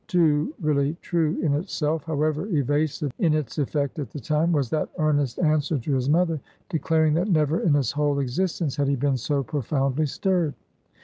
Too really true in itself, however evasive in its effect at the time, was that earnest answer to his mother, declaring that never in his whole existence had he been so profoundly stirred.